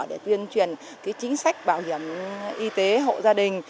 để tuyên truyền chính sách bảo hiểm y tế hộ gia đình